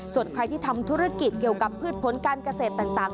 ส่วนใครที่ทำธุรกิจเกี่ยวกับพืชผลการเกษตรต่าง